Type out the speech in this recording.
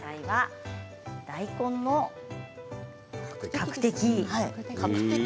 大根のカクテキ。